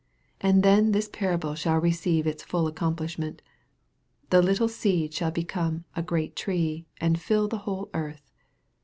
And then this parable shall receive its full accomplishment. The little seed shall become " a great tree," and fill the whole earth.